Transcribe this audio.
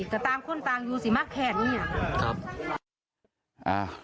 แต่ตามข้นตามอยู่สิมักแขกนี่อะคำอ่า